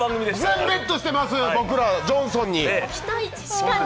全ベットしています、僕ら「ジョンソン」に。